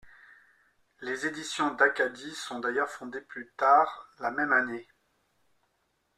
Les Éditions d'Acadie sont d'ailleurs fondées plus tard la même année.